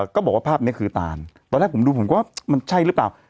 ก็บอกว่าภาพนี้คือตานตอนแรกผมดูผมก็ว่ามันใช่หรือเปล่า